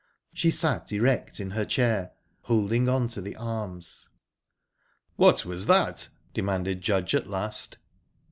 She sat erect in her chair, holding on to the arms. "What was that?" demanded Judge at last.